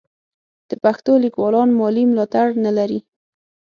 د پښتو لیکوالان مالي ملاتړ نه لري.